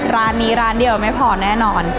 ร้านนี้ร้านเดียวไม่พอแน่นอน